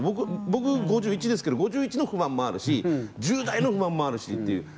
僕、５１ですけど５１の不満もあるし１０代の不満もあるしっていう。